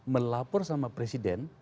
melapor sama presiden